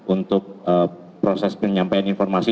untuk proses penyampaian informasi